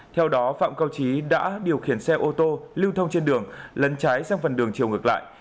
theo đó phạm cao trí đã điều khiển xe ô tô lưu thông trên đường lấn trái sang phần đường chiều ngược lại